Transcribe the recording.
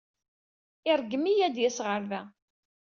Iṛeggem-iyi ad d-yas ɣer da.